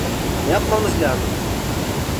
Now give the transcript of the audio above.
Ne yapmamız lazım?